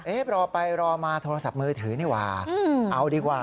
รอไปรอมาโทรศัพท์มือถือนี่ว่าเอาดีกว่า